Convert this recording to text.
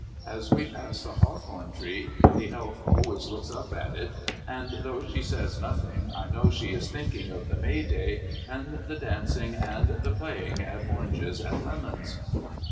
As we pass the hawthorn tree the Elf always look up at it, and though she says nothing I know she is thinking of the Mayday and the dancing and the playing at Oranges and Lemons.